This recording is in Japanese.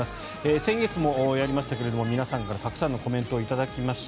先月もやりましたが皆さんからたくさんのコメントを頂きました。